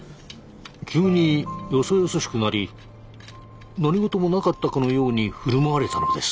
急によそよそしくなり何事もなかったかのように振る舞われたのです。